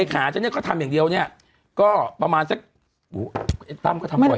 เอกหาเจ้าเนี้ยเขาทำอย่างเดียวเนี้ยก็ประมาณสักอุ้ยไอ้ต้ำก็ทำไหวนะ